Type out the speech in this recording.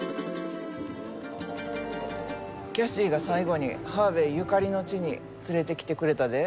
キャシーが最後にハーヴェイゆかりの地に連れてきてくれたで。